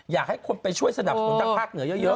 อยากให้คนไปช่วยสนับสนุนทางภาคเหนือเยอะ